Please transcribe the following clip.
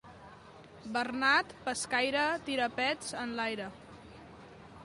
Bernat pescaire, tira pets enlaire.